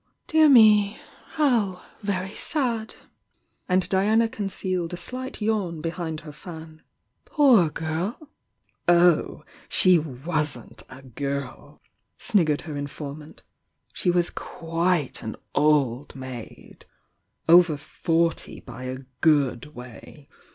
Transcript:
"Dear me, how very sad!" and Diana concealed a slight yawn behind her fan. "Poor girl!" "Oh, ^e wasn't a girl!" k liggered her informant. "She was quite an old maid — over forty by a good way.